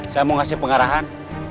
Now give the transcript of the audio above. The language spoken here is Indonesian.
saya mau kasih pengarahan